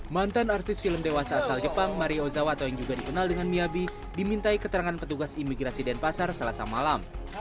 mantan artis film dewasa asal jepang marioza atau yang juga dikenal dengan miyabi dimintai keterangan petugas imigrasi denpasar selasa malam